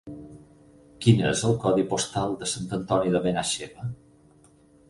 Quin és el codi postal de Sant Antoni de Benaixeve?